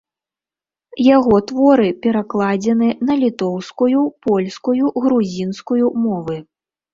Яго творы перакладзены на літоўскую, польскую, грузінскую мовы.